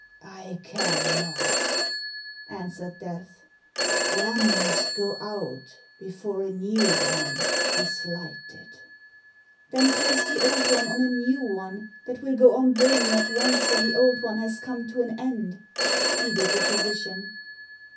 "I cannot," answered Death, "one must go out before a new one is lighted." "Then place the old one on a new one, that will go on burning at once when the old one has come to an end," pleaded the physician.